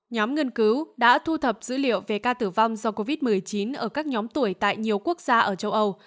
nhóm nghiên cứu đã thu thập dữ liệu về ca tử vong do covid một mươi chín ở các nhóm tuổi tại nhiều quốc gia ở châu âu